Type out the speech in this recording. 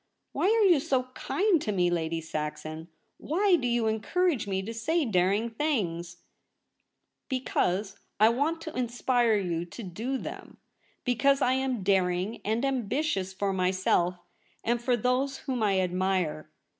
Why are you so kind to me, Lady Saxon ? Why do you encourage me to say daring things ?' LITERA SCRIPT A. 223 ' Because I want to inspire you to do them ; because I am daring and ambitious for myself and for those whom I admire.